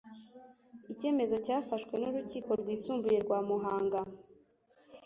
icyemezo cyafashwe n urukiko rwisumbuye rwa muhanga